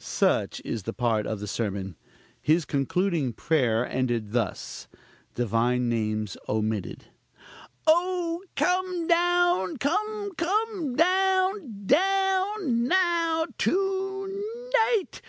Such is part of the sermon. His concluding prayer ended thus (Divine names omitted). "Oh, come down! come, come down! down! now! to night!